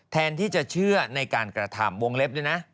แทนที่จะเชื่อในการกระทำวงเล็บด้วยนะ